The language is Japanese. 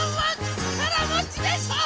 ちからもちでしょ！